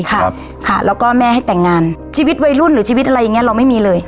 ค่ะแล้วก็แม่ให้แต่งงานชีวิตวัยรุ่นหรือชีวิตอะไรอย่างเงี้เราไม่มีเลย